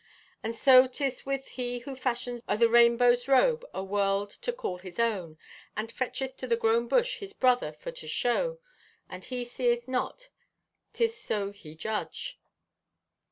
And so 'tis with he who fashions o' the rainbow's robe a world to call his own, and fetcheth to the grown bush his brother for to shew, and he seeth not, 'tis so he judge."